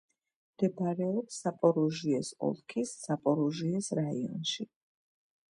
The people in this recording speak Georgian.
მდებარეობს ზაპოროჟიეს ოლქის ზაპოროჟიეს რაიონში.